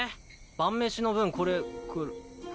晩飯の分これく。